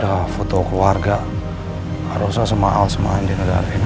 agar semua paket yang masuk ke sini harus di screen terlebih dahulu